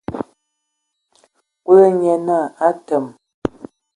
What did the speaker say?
Kulu nye naa: A teen!